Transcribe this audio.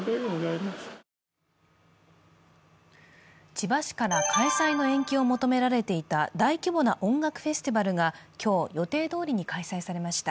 千葉市から開催の延期を求められていた大規模な音楽フェスティバルが今日予定どおりに開催されました。